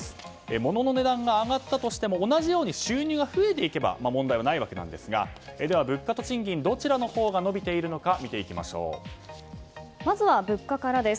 物の値段が上がったとしても同じように収入が増えれば問題はないわけですがでは物価と賃金どちらが伸びているのかまずは物価からです。